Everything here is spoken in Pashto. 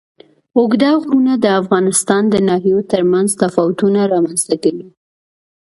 اوږده غرونه د افغانستان د ناحیو ترمنځ تفاوتونه رامنځ ته کوي.